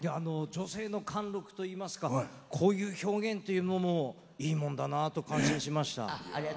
女性の貫禄といいますかこういう表現っていうのいいもんだなという感じがしました。